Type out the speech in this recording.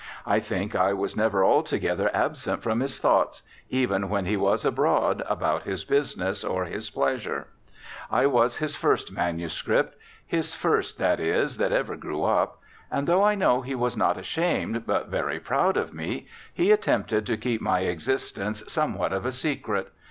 I think I was never altogether absent from his thoughts, even when he was abroad about his business or his pleasure. I was his first manuscript his first, that is, that ever grew up. And though I know he was not ashamed but very proud of me, he attempted to keep my existence something of a secret.